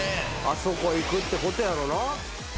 あそこいくってことやろな。